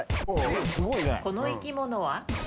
この生き物は？